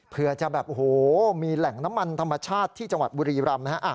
เพื่อจะแบบโอ้โหมีแหล่งน้ำมันธรรมชาติที่จังหวัดบุรีรำนะฮะ